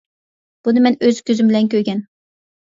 بۇنى مەن ئۆز كۆزۈم بىلەن كۆرگەن.